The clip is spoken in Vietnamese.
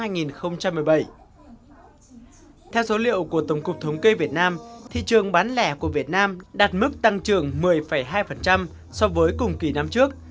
theo số liệu của tổng cục thống kê việt nam thị trường bán lẻ của việt nam đạt mức tăng trưởng một mươi hai so với cùng kỳ năm trước